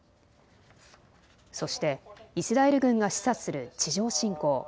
そしてイスラエル軍が示唆する地上侵攻。